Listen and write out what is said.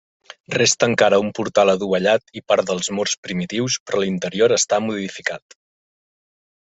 Resta encara un portal adovellat i part dels murs primitius però l'interior està modificat.